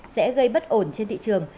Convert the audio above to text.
sẽ gây bất ổn trên thị trường